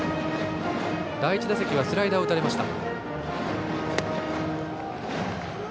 第１打席はスライダーを打たれました。